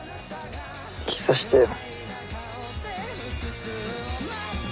キスしてよ。